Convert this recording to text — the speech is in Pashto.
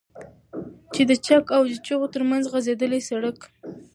چې د چك او جغتو ترمنځ غځېدلى سړك